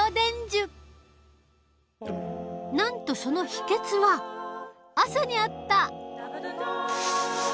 なんとそのヒケツは朝にあった。